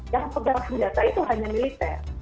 yang pegang senjata itu hanya militer